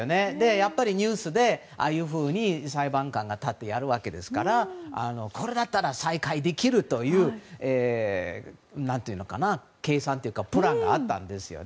やっぱり、ニュースでああいうふうに裁判官が立ってやるわけですからこれだったら再会できると何というのか、計算というかプランがあったんですね。